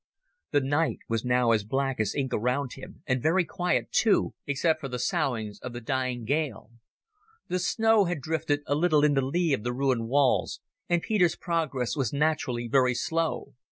The night was now as black as ink around him, and very quiet, too, except for soughings of the dying gale. The snow had drifted a little in the lee of the ruined walls, and Peter's progress was naturally very slow.